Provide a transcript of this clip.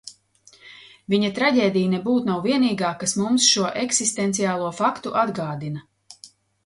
Viņa traģēdija nebūt nav vienīgā, kas mums šo eksistenciālo faktu atgādina.